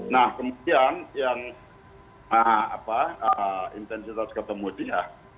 nah kemudian yang intensitas ketemu dia